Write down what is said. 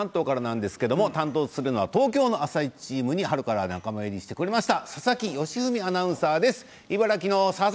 今週の中継は関東からなんですが担当するのは東京の「あさイチ」チームに春から仲間入りしてくれました